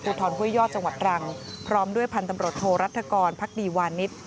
ทรห้วยยอดจังหวัดตรังพร้อมด้วยพันธุ์ตำรวจโทรรัฐกรพักดีวานิส